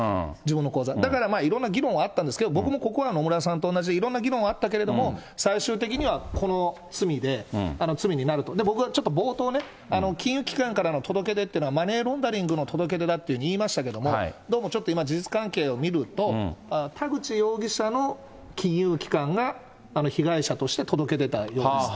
だから、いろんな議論はあったんですけれども、僕もここは野村さんと同じ、いろんな議論はあったけれども、最終的には、この罪になると、僕はちょっと冒頭ね、金融機関からの届け出っていうのは、マネーロンダリングの届け出だって言いましたけれども、どうもちょっと今、事実関係を見ると、田口容疑者の金融機関が、被害者として届け出たようです。